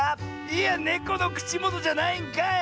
いやネコのくちもとじゃないんかい！